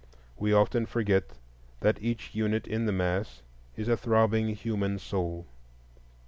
We often forget that each unit in the mass is a throbbing human soul.